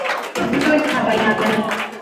El fruto es una vaina aplanada.